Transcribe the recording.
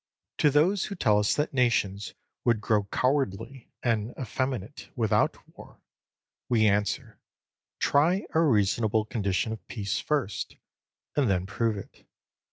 To those who tell us that nations would grow cowardly and effeminate without war, we answer, "Try a reasonable condition of peace first, and then prove it.